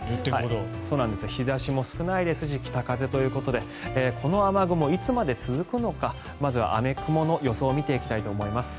日差しも少ないですし北風ということでこの雨雲、いつまで続くのかまずは雨・雲の予想を見ていきたいと思います。